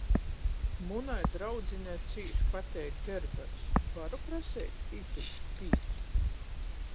Munai draudzinei cīš pateik gerberys, varu praseit itūs pīcu?